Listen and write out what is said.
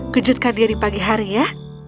kejutkan dia di pagi hari ya